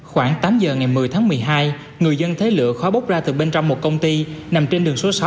khoảng tám giờ ngày một mươi tháng một mươi hai người dân thế lựa khóa bốc ra từ bên trong một công ty nằm trên đường số sáu